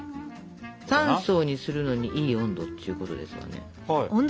３層にするのにいい温度っちゅうことですわね。